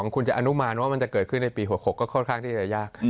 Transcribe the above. คุณจะอนุมานว่ามันจะเกิดขึ้นในปี๖๖ก็ค่อนข้างที่จะยาก